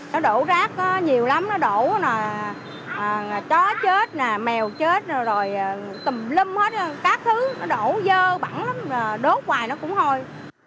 nó đổ rác nhiều lắm nó đổ chó chết mèo chết rồi tùm lum hết các thứ nó đổ dơ bẩn lắm đốt hoài nó cũng hôi